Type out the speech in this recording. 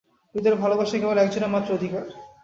হৃদয়ের ভালবাসায় কেবল একজনের মাত্র অধিকার।